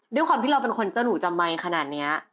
ด้วยความที่เราเป็นคนเจ้าหนูจำไมค์ขนาดนี้